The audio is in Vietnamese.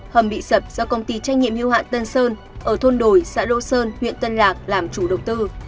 hầm bị sập do công ty trách nhiệm hưu hạn tân sơn ở thôn đồi xã đô sơn huyện tân lạc làm chủ đầu tư